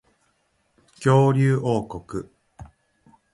恐竜王国